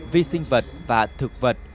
vi sinh vật và thực vật